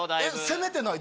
攻めてない？